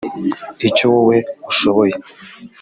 Icyo wowe ushoboye,